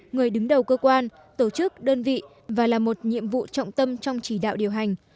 người đứng đầu cơ quan tổ chức đơn vị và là một nhiệm vụ trọng tâm trong chỉ đạo điều hành